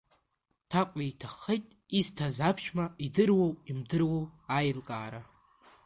Ҭакәи иҭаххеит изҭаз аԥшәма идыруоу имдыруоу аилкаара.